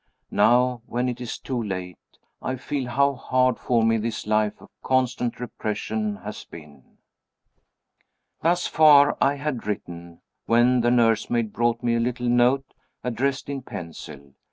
Now, when it is too late, I feel how hard for me this life of constant repression has been. Thus far I had written, when the nursemaid brought me a little note, addressed in pencil.